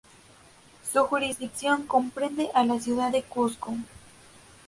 Su jurisdicción comprende a la ciudad de Cusco.